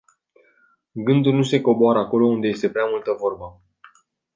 Gândul nu se coboară acolo unde este prea multă vorbă.